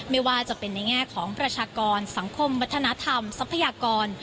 ไม่ว่าจะเป็นในแง่ของประชากรสังคมวัฒนธรรมทรัพยากร